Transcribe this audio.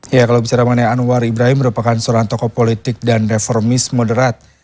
ya kalau bicara mengenai anwar ibrahim merupakan seorang tokoh politik dan reformis moderat